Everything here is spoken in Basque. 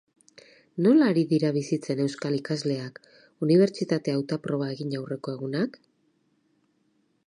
Nola ari dira bizitzen euskal ikasleak unibertsitate hautaproba egin aurreko egunak?